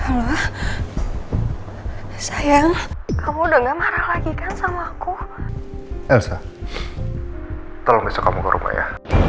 ah sayang kamu udah gak marah lagi kan sama aku tolong besok kamu ke rumah ya